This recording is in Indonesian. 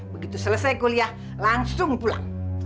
begitu selesai kuliah langsung pulang